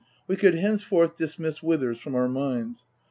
We could henceforth dismiss Withers from our minds.